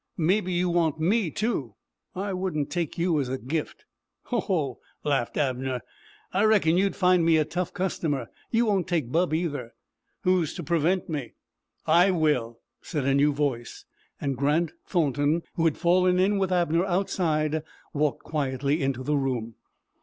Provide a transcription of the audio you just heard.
"Maybe you want me, too?" "I wouldn't take you as a gift." "Ho, ho," laughed Abner, "I reckon you'd find me a tough customer. You won't take bub, either." "Who is to prevent me?" "I will!" said a new voice, and Grant Thornton, who had fallen in with Abner outside, walked quietly into the room.